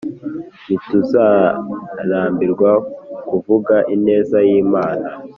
Ntituzarambirwa kuvuga ineza y’Imana